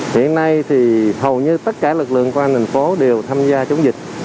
hiện nay thì hầu như tất cả lực lượng của an ninh phố đều tham gia chống dịch